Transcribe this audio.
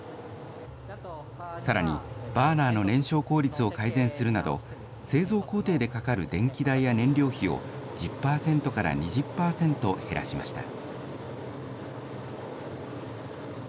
さらに、バーナーの燃焼効率を改善するなど、製造工程でかかる電気代や燃料費を１０％から２０％減らしました。